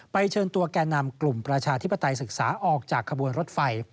เชิญตัวแก่นำกลุ่มประชาธิปไตยศึกษาออกจากขบวนรถไฟ